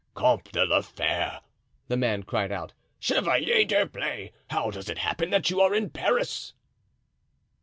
"Comte de la Fere!" the man cried out; "Chevalier d'Herblay! How does it happen that you are in Paris?"